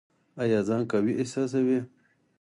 ایا ځان قوي احساسوئ؟